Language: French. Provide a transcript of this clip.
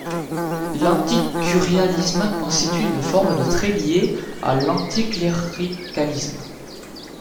L’anticurialisme constitue une forme de traits lié à l’anticléricalisme.